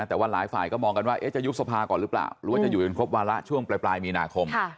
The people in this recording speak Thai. แต่ว่าหลายฝ่ายก็มองกันว่าจะยุบสภาก่อนหรือเปล่าหรือว่าจะอยู่จนครบวาระช่วงปลายมีนาคม